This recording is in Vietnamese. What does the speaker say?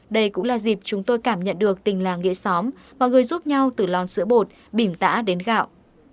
đây cũng là dịp chúng tôi cảm nhận được tình làng nghĩa xóm mọi người giúp nhau từ lon sữa bột bìm tả đến gạo